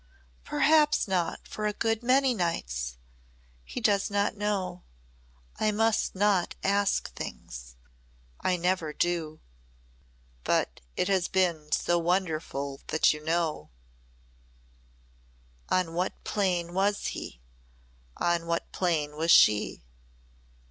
"Perhaps not for a good many nights. He does not know. I must not ask things. I never do." "But it has been so wonderful that you know " On what plane was he on what plane was she?